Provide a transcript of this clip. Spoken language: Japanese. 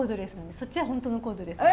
そっちは本当のコードレス。